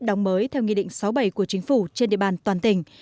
đóng mới theo nghị định sáu mươi bảy của chính phủ trên địa bàn toàn tỉnh